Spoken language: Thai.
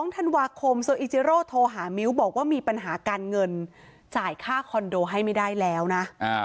๒ธันวาคมโซอิจิโร่โทรหามิ้วบอกว่ามีปัญหาการเงินจ่ายค่าคอนโดให้ไม่ได้แล้วนะ